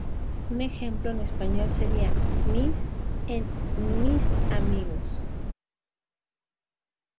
Un ejemplo en español sería ""mis"" en ""mis amigos"".